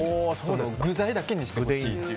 具材だけにしてほしい。